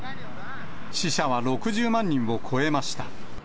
死者は６０万人を超えました。